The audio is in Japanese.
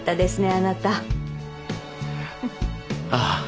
ああ。